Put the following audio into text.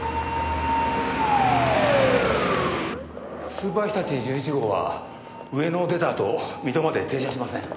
スーパーひたち１１号は上野を出たあと水戸まで停車しません。